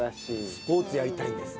スポーツやりたいんです。